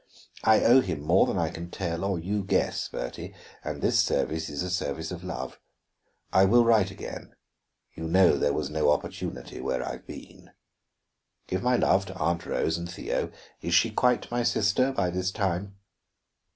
I owe him more than I can tell, or you guess, Bertie; and this service is a service of love. I will write again; you know there was no opportunity where I have been. Give my love to Aunt Rose and Theo is she quite my sister by this time?